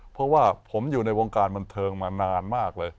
เพราะว่าผมอยู่ในวงการบันเทิงมานานมากเลย